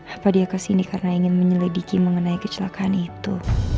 apa dia kesini karena ingin menyelidiki mengenai kecelakaan itu